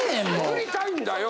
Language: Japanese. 送りたいんだよ